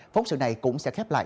phóng sự này cũng sẽ khép lại